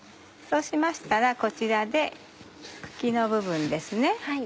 そうしましたらこちらで茎の部分ですね。